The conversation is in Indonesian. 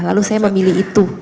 lalu saya memilih itu